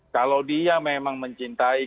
kalau dia memang mencintai